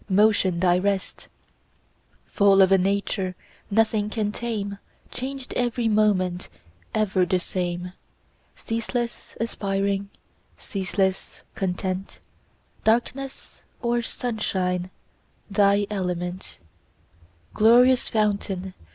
Motion thy rest; Full of a nature Nothing can tame, Changed every moment, Ever the same; Ceaseless aspiring, Ceaseless content, Darkness or sunshine Thy element; Glorious fountain.